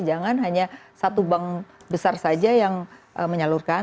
jangan hanya satu bank besar saja yang menyalurkan